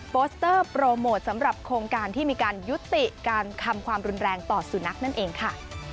โสเตอร์โปรโมทสำหรับโครงการที่มีการยุติการทำความรุนแรงต่อสุนัขนั่นเองค่ะ